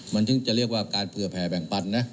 มันถึงจะเรียกว่าการเผื่อแผ่แบ่งปันนะ